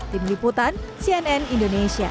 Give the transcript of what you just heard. tim liputan cnn indonesia